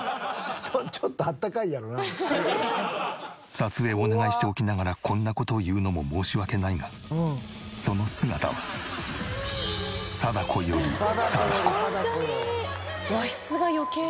撮影をお願いしておきながらこんな事を言うのも申し訳ないがその姿は和室が余計ね。